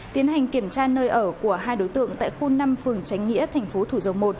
tiến hành kiểm tra nơi ở của hai đối tượng tại khu năm phường tránh nghĩa tp thủ dầu một